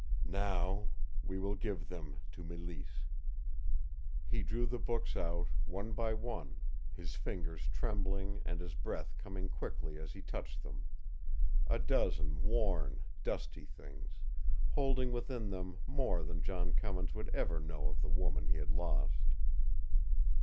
"Now we will give them to Mélisse." He drew the books out, one by one, his fingers trembling and his breath coming quickly as he touched them a dozen worn, dusty things, holding within them more than John Cummins would ever know of the woman he had lost.